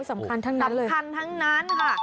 สำคัญทั้งนั้นสำคัญทั้งนั้นค่ะ